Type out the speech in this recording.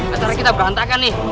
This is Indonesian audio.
acara kita berantakan nih